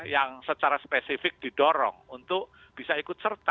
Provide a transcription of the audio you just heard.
yang secara spesifik didorong untuk bisa ikut serta